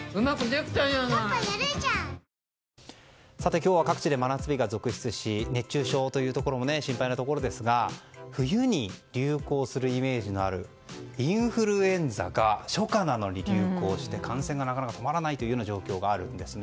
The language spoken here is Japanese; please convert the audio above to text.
今日は各地で真夏日が続出し熱中症というところも心配なところですが冬に流行するイメージのあるインフルエンザが初夏なのに流行して感染がなかなか止まらないという状況があるんです。